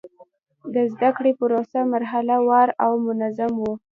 د زده کړې پروسه مرحله وار او منظم و.